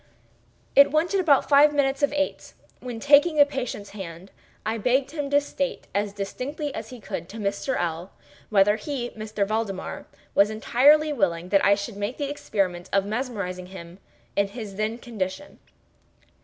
It wanted about five minutes of eight when, taking the patient's hand, I begged him to state, as distinctly as he could, to Mr. L—l, whether he (M. Valdemar) was entirely willing that I should make the experiment of mesmerizing him in his then condition.